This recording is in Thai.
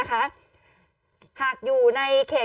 กล้องกว้างอย่างเดียว